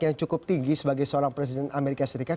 yang cukup tinggi sebagai seorang presiden amerika serikat